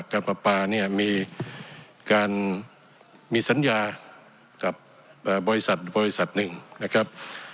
ประปาเนี่ยมีการมีสัญญากับบริษัทบริษัทหนึ่งนะครับ